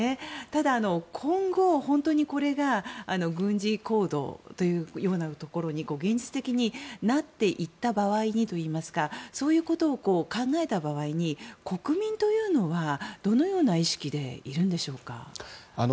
ただ今後、本当にこれが軍事行動というようなところに現実的になっていった場合にそういうことを考えた場合に国民というのはどのような意識でいるんでしょうか。